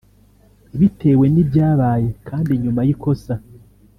Bitewe n’ibyabaye kandi nyuma y’ikosa